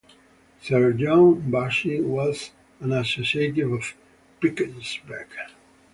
Sir John Bussy was an associate of Pynchbek.